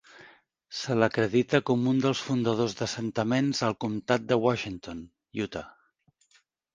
Se l'acredita com un dels fundadors d'assentaments al comtat de Washington, Utah.